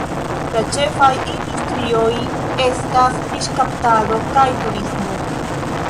La ĉefaj industrioj estas fiŝkaptado kaj turismo.